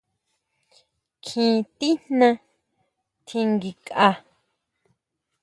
Kjín tijna tjinguinkʼa.